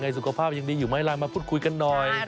นะครับอย่างนี้ยุ่งไหมละมาพูดคุยกันหน่อย